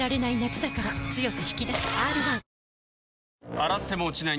洗っても落ちない